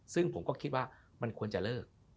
ซึ่งผมก็คิดว่ามันควรจะเลิก